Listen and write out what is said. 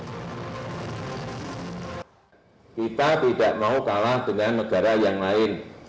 kita tidak mau kalah dengan negara yang lain